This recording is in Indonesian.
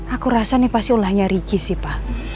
aku rasa nih pasti ulahnya ricky sih pa